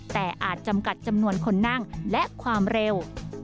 แต่อาจจำกัดจำนวนคนนั่งและความเร็ว